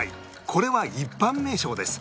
これは一般名称です